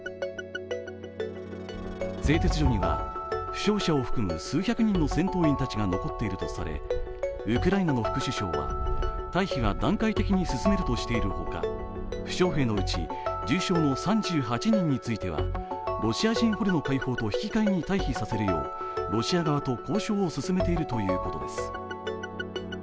製鉄所には負傷者を含む数百人の戦闘員たちが残っているとされウクライナの副首相は、退避は段階的に進めるとしているほか負傷兵のうち、重傷の３８人についてはロシア人捕虜の解放と引き換えに待避させるようロシア側と交渉を進めているということです。